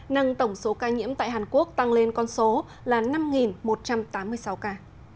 nâng tổng số ca nhiễm tại hàn quốc tăng lên con số là năm một trăm tám mươi sáu ca